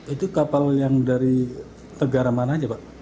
itu kapal yang dari negara mana aja pak